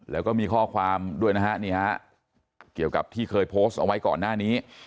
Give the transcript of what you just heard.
แล้วก็มีข้อความด้วยนะฮะนี่ฮะเกี่ยวกับที่เคยโพสต์เอาไว้ก่อนหน้านี้